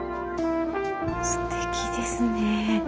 すてきですね。